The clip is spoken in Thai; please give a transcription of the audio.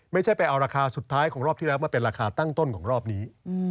ไม่ใช่ไปเอาราคาสุดท้ายของรอบที่แล้วมาเป็นราคาตั้งต้นของรอบนี้